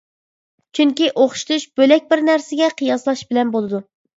چۈنكى، ئوخشىتىش بۆلەك بىر نەرسىگە قىياسلاش بىلەن بولىدۇ.